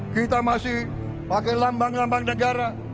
kita masih pakai lambang lambang negara